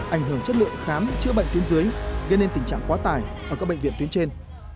ảnh hưởng chất lượng khám chữa bệnh tuyến dưới gây nên tình trạng quá tải ở các bệnh viện tuyến trên